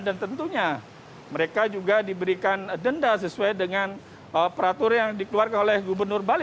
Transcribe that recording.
dan tentunya mereka juga diberikan denda sesuai dengan peraturan yang dikeluarkan oleh gubernur bali